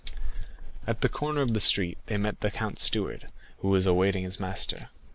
At the corner of the street they met the count's steward, who was awaiting his master.